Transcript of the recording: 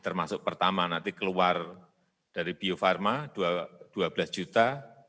termasuk pertama nanti keluar dari bio farma dua belas juta